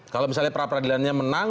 kalau misalnya peradilannya menang